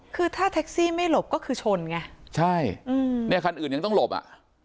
คือถ้าแท็กซี่ไม่หลบก็คือชนไงใช่อืมเนี่ยคันอื่นยังต้องหลบอ่ะ